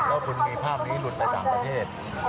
แล้วคุณมีภาพนี้หลุดไปต่างประเทศ